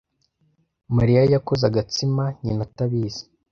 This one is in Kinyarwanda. Mariya yakoze agatsima nyina atabizi.